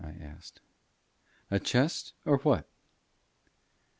I asked. "A chest or what?"